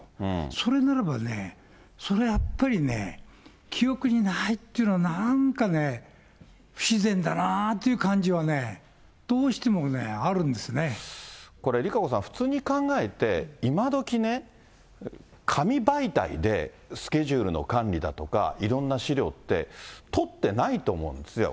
それならばね、それやっぱりね、記憶にないっていうのはなんかね、不自然だなって感じはね、これ、ＲＩＫＡＣＯさん、普通に考えて、今どきね、紙媒体でスケジュールの管理だとか、いろんな資料って、取ってないと思うんですよ。